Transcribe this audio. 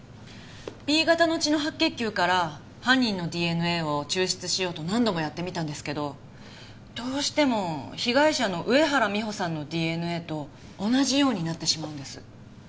Ｂ型の血の白血球から犯人のＤＮＡを抽出しようと何度もやってみたんですけどどうしても被害者の上原美帆さんのＤＮＡと同じようになってしまうんです。